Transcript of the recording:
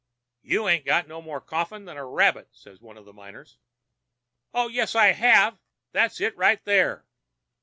"'You 'ain't got no more coffin than a rabbit,' says one of the miners. "'Oh, yes, I have. That's it right there.'